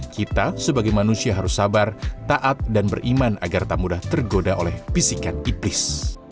kita sebagai manusia harus sabar taat dan beriman agar tak mudah tergoda oleh bisikan iplis